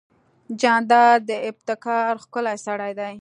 جانداد د ابتکار ښکلی سړی دی.